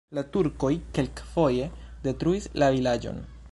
La turkoj kelkfoje detruis la vilaĝon.